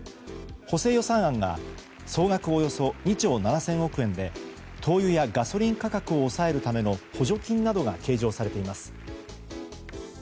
補正予算案は総額およそ２兆７０００億円で灯油やガソリン価格を抑えるための補助金などが計上されています。